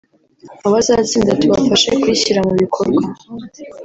abazatsinda tubafashe kuyishyira mu bikorwa